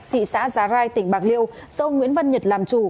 thị xã già rai tỉnh bạc liêu do ông nguyễn văn nhật làm chủ